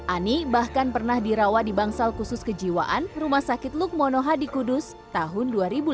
ani bahkan pernah dirawat di bangsal khusus kejiwaan rumah sakit lukmonoha di kudus tahun dua ribu lima belas